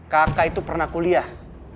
kakak itu pernah kuliah